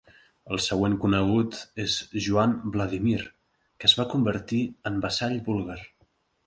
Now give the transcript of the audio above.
El següent conegut és Joan Vladímir, que es va convertir en vassall búlgar.